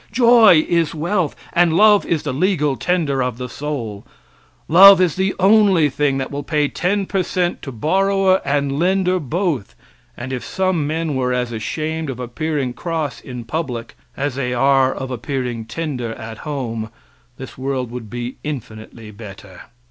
Joy is wealth, and love is the legal tender of the soul! Love is the only thing that will pay ten percent to borrower and lender both; and if some men were as ashamed of appearing cross in public as they are of appearing tender at home, this world would be infinitely better.